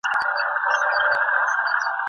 د ټولنې ويښتيا د ښه سياست نښه نه ده؟